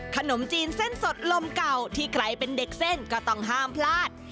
ขนมจีนเส้นสดลมเก่าที่ใครเป็นเด็กเส้นก็ต้องห้ามพลาด